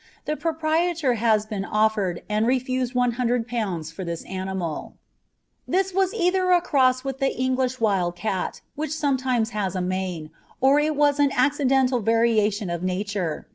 The Proprietor has been offered, and refused One Hundred Pounds for this Animal." This was either a cross with the English wild cat, which sometimes has a mane, or it was an accidental variation of nature.